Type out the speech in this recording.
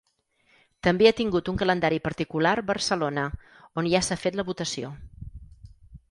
També ha tingut un calendari particular Barcelona, on ja s’ha fet la votació.